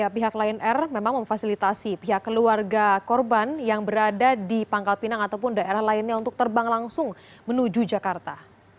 pihak lion air memang memfasilitasi pihak keluarga korban yang berada di pangkal pinang ataupun daerah lainnya untuk terbang langsung menuju jakarta